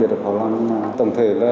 cho trực tiếp